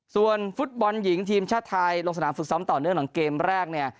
ส่วนฟุตบอลหญิงทีมชาติไทยลงสนามฝึกซ้อมต่อเนื่องหลังเกมแรกเนี่ย